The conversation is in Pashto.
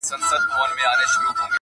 • زخمي زخمي ټوټه ټوټه دي کړمه..